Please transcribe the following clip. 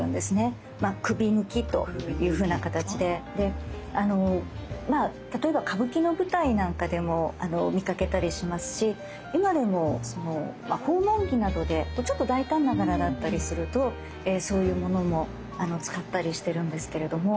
まあ首抜きというふうな形で例えば歌舞伎の舞台なんかでも見かけたりしますし今でも訪問着などでちょっと大胆な柄だったりするとそういうものも使ったりしてるんですけれども。